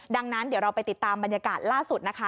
ดังนั้นเดี๋ยวเราไปติดตามบรรยากาศล่าสุดนะคะ